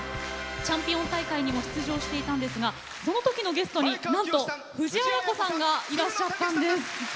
チャンピオン大会にも出場していたんですがそのときのゲストになんと、藤あや子さんがいらっしゃったんです。